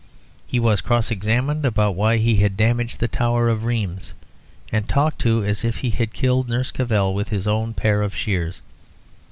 He was cross examined about why he had damaged the tower of Rheims; and talked to as if he had killed Nurse Cavell with his own pair of shears.